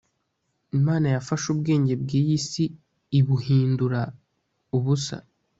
imana yafashe ubwenge bw’iyi si ibuhindura ubusa,